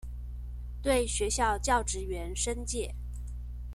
對學校教職員申誡